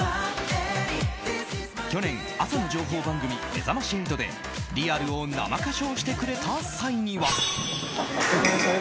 去年、朝の情報番組「めざまし８」で「ＲＥＡＬ」を生歌唱してくれた際には。